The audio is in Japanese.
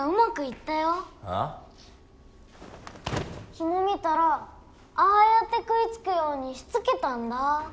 ヒモ見たらああやって食いつくようにしつけたんだ。